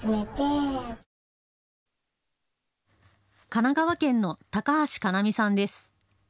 神奈川県の高橋かなみさんです。